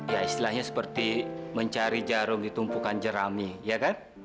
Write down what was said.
ya istilahnya seperti mencari jarum di tumpukan jerami ya kan